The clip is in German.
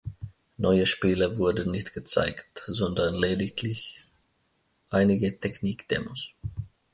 Neue Spiele wurden nicht gezeigt, sondern lediglich einige Technik-Demos.